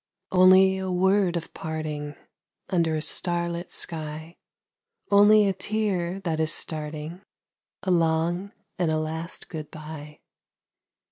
Only a word of parting Under a starlit sky; Only a tear that is starting, A long and a last good bye.